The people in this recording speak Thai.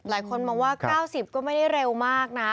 หลายคนมองว่า๙๐ก็ไม่ได้เร็วมากนะ